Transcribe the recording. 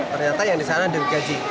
ternyata yang disana gergaji